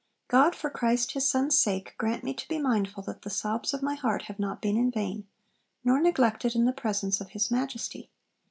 God for Christ his Son's sake grant me to be mindful that the sobs of my heart have not been in vain, nor neglected in the presence of his Majesty.